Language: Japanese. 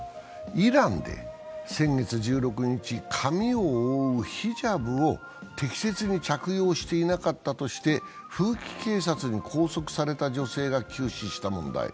イランで先月１６日、髪を覆うヒジャブを適切に着用していなかったとして、風紀警察に拘束された女性が急死した問題。